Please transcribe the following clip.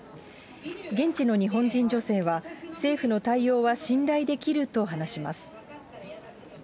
現地の日本人女性は、政府の対応は信頼できると話します。